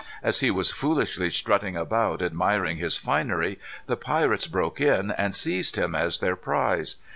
As he was foolishly strutting about admiring his finery, the pirates broke in, and seized him as their prize.